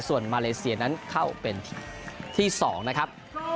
ส่วนมาเลเซียนั้นเข้าเป็นที่๒นะครับ